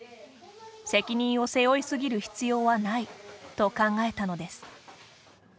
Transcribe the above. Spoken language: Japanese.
責任を背負い過ぎる必要はないと考えたのです。